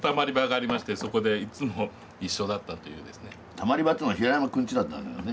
たまり場っていうのは平山君ちだったんだけどね。